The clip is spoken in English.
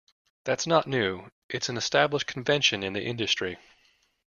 That's not new, it's an established convention in the industry.